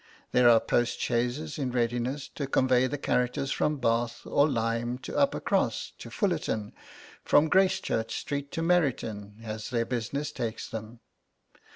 There are postchaises in readiness to convey the characters from Bath or Lyme to Uppercross, to Fullerton, from Gracechurch Street to Meryton, as their business takes them.